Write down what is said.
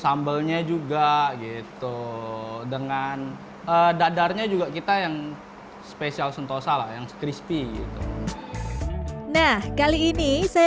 sambalnya juga gitu dengan dadarnya juga kita yang spesial sentosa yang crispy gitu nah kali ini saya